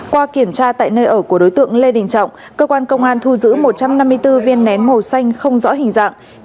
qua kiểm tra tại nơi ở của đối tượng lê đình trọng cơ quan công an thu giữ một trăm năm mươi bốn viên nén màu xanh không rõ hình dạng